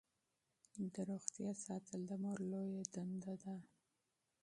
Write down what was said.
د روغتیا ساتل د مور لویه دنده ده.